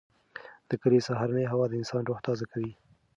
د کلي سهارنۍ هوا د انسان روح تازه کوي.